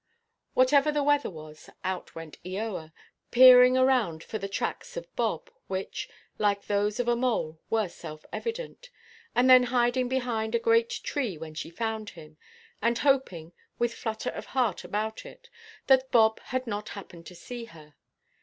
Whatever the weather was, out went Eoa, peering around for the tracks of Bob, which, like those of a mole, were self–evident; and then hiding behind a great tree when she found him; and hoping, with flutter of heart about it, that Bob had not happened to see her.